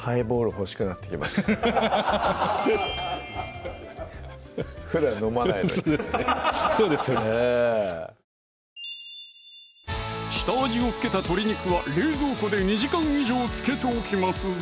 欲しくなってきましたふだん飲まないのにそうですねそうですよねええ下味を付けた鶏肉は冷蔵庫で２時間以上漬けておきますぞ